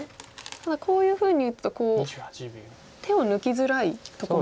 ただこういうふうに打つと手を抜きづらいところも。